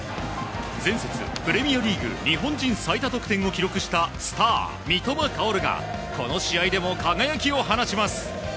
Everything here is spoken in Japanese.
前節、プレミアリーグ日本人最多得点を記録したスター、三笘薫がこの試合でも輝きを放ちます。